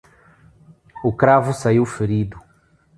O cravo saiu ferido.